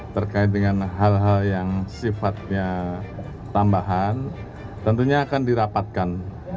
terkait dengan hal hal yang sifatnya tambahan tentunya akan dirapatkan